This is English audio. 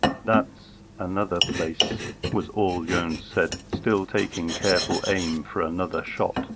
"That's another place," was all Jones said, still taking careful aim for another shot.